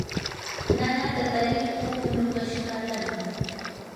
nanata tarirquu punukashqatam